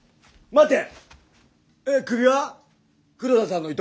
待て！